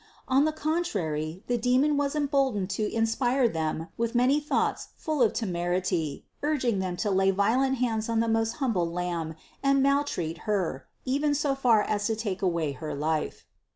On the contrary the demon was emboldened to inspire them with many thoughts full of temerity, urging them to lay violent hands on the most humble lamb and maltreat Her, even so far as to take away her life.